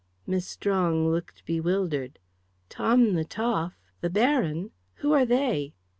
Miss Strong looked bewildered. "Tom the Toff? The Baron? Who are they?"